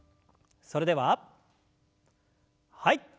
それでははい。